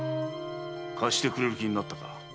貸してくれる気になったか。